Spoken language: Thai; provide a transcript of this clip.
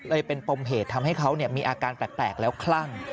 เลยเป็นปมเหตุทำให้เขามีอาการแปลกแล้วคลั่ง